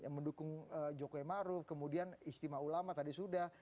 mendukung jokowi maruf kemudian istimewa ulama tadi sudah